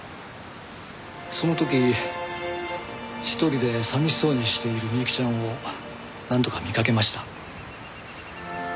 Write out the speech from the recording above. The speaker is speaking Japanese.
その時１人で寂しそうにしている美雪ちゃんを何度か見かけました。